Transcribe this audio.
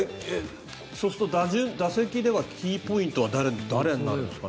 そうすると打席ではキーポイントは誰になるんですか？